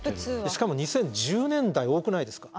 しかも２０１０年代多くないですか？